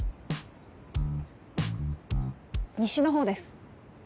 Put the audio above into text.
西のほうです。